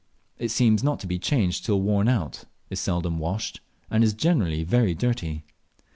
It seems not to be changed till worn out, is seldom washed, and is generally very dirty.